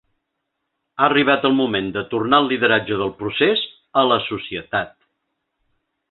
Ha arribat el moment de tornar el lideratge del procés a la societat.